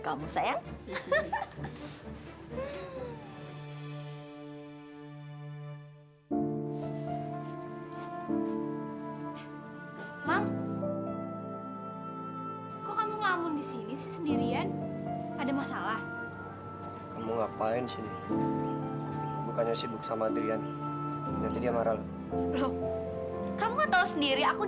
kamu nggak pernah bisa pergi dari sisi dia kan